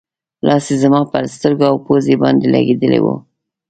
لاس یې زما پر سترګو او پوزې باندې لګېدلی و.